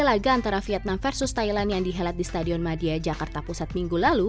laga antara vietnam versus thailand yang dihelat di stadion madia jakarta pusat minggu lalu